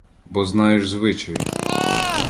— Бо знаєш звичай.